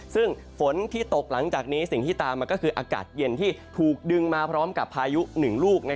ซึ่งฝนที่ตกหลังจากนี้สิ่งที่ตามมาก็คืออากาศเย็นที่ถูกดึงมาพร้อมกับพายุหนึ่งลูก